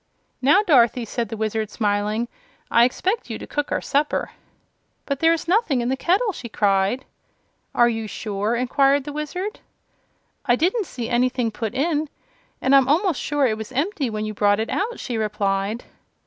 "Now, Dorothy," said the Wizard, smiling, "I expect you to cook our supper." "But there is nothing in the kettle," she cried. "Are you sure?" inquired the Wizard. "I didn't see anything put in, and I'm almost sure it was empty when you brought it out," she replied.